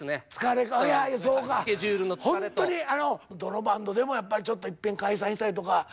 ホントにどのバンドでもやっぱりちょっといっぺん解散したりとか。